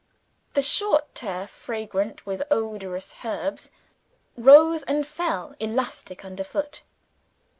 The short turf, fragrant with odorous herbs, rose and fell elastic, underfoot.